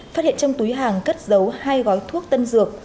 phát hiện trong túi hàng cất giấu hai gói thuốc tân dược